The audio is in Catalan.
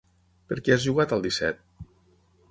Per què has jugat al disset?